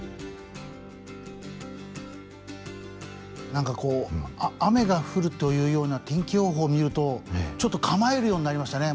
何かこう雨が降るというような天気予報を見るとちょっと構えるようになりましたね